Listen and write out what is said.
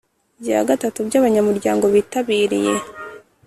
Bya gatatu by abanyamuryango bitabiriye